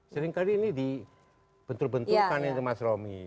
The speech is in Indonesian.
seringkali ini dibentur benturkan itu mas romi